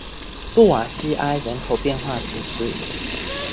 布瓦西埃人口变化图示